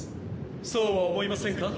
そうは思いませんか？